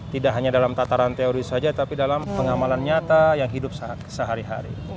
tidak hanya dalam tataran teori saja tapi dalam pengamalan nyata yang hidup sehari hari